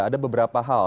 ada beberapa hal